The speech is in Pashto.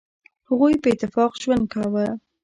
هغوی په اتفاق ژوند کاوه.